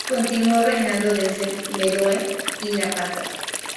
Continuó reinando desde Meroe y Napata.